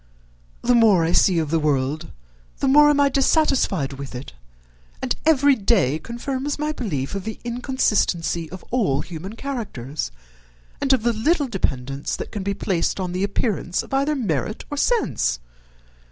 The more I see of the world the more am I dissatisfied with it; and every day confirms my belief of the inconsistency of all human characters, and of the little dependence that can be placed on the appearance of either merit or sense.